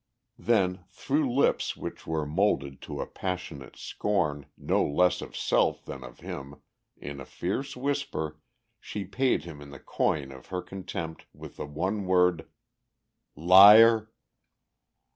Then through lips which were moulded to a passionate scorn no less of self than of him, in a fierce whisper, she paid him in the coin of her contempt with the one word: "Liar!"